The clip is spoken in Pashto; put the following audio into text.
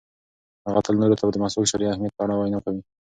هغه تل نورو ته د مسواک د شرعي اهمیت په اړه وینا کوي.